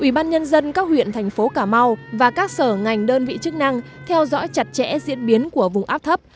ubnd các huyện thành phố cà mau và các sở ngành đơn vị chức năng theo dõi chặt chẽ diễn biến của vùng áp thấp